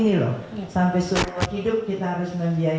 sampai seluruh hidup kita harus membiayai